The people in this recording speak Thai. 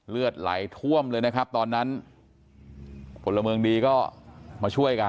เลือดไหลท่วมเลยนะครับตอนนั้นพลเมืองดีก็มาช่วยกัน